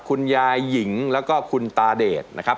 คุณยายหญิงแล้วก็คุณตาเดชนะครับ